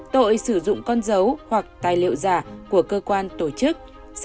tội sử dụng con dấu hoặc tài liệu giả của cơ quan tổ chức